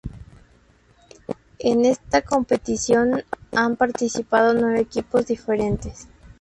En esta competición han participado nueve equipos diferentes.